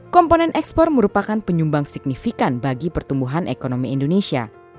komponen ekspor merupakan penyumbang signifikan bagi pertumbuhan ekonomi indonesia